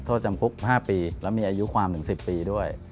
โทษจำคุก๕ปีแล้วมีอายุความถึง๑๐ปีด้วย